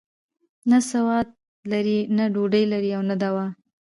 نه سواد لري، نه ډوډۍ لري او نه دوا.